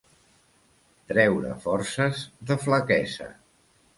Treure forces de flaquesa.